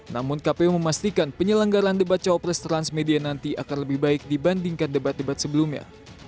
namun kpu memastikan penyelenggaran debat cawapres transmedia nanti akan lebih baik dibandingkan debat debat sebelumnya